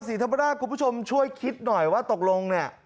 สิรธรรมดาครูพี่ชมช่วยคิดหน่อยว่าตกลงเนี่ย